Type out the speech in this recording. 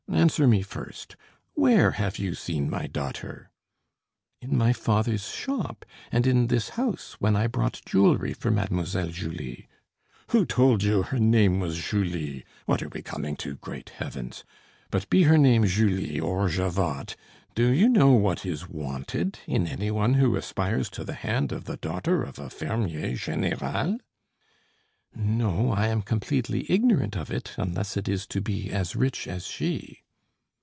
Answer me first: where have you seen my daughter?" "In my father's shop, and in this house, when I brought jewelry for Mademoiselle Julie." "Who told you her name was Julie? What are we coming to, great heavens! But be her name Julie or Javotte, do you know what is wanted in any one who aspires to the hand of the daughter of a fermier général?" "No, I am completely ignorant of it, unless it is to be as rich as she."